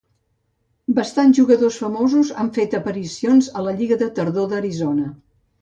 Bastants jugadors famosos han fet aparicions a la Lliga de Tardor d'Arizona.